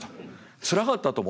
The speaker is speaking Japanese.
つらかったと思う。